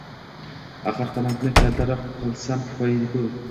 Axir, qanotni kaltaroq qilolsam kifoya edi-ku!